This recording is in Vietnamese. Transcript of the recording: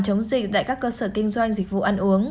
chống dịch tại các cơ sở kinh doanh dịch vụ ăn uống